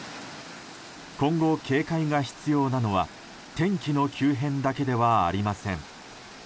今後、警戒が必要なのは天気の急変だけではありません。